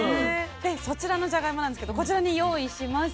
でそちらのじゃがいもなんですけどこちらに用意しました。